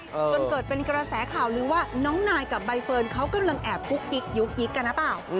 จนเกิดเป็นริกราศาข่าวหรือว่าน้องนายกับใบเฟิร์นเขากำลังแอบกุ๊กกิ๊กกันนะป่าว